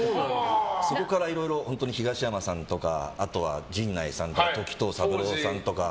そこからいろいろ東山さんとかあとは陣内さんとか時任三郎さんとか。